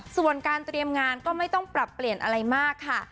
ส่วนการเตรียมงานก็ไม่ต้องปรับเปลี่ยนอะไรมากค่ะ